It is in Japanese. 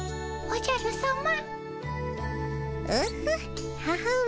おじゃるさま。